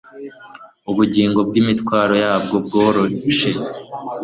Ubugingo bwimitwaro yabwo bworoshe